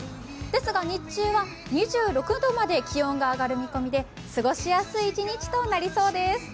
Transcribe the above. ですが日中は２６度まで気温が上がる見込みで過ごしやすい一日となりそうです。